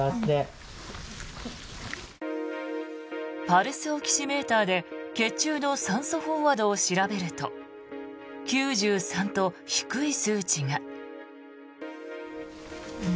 パルスオキシメーターで血中の酸素飽和度を調べると９３と低い数値が。